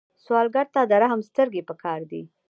سوالګر ته د رحم سترګې پکار دي